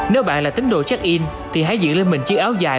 nếu bạn là tính đồ check in thì hãy giữ lên mình chiếc áo dài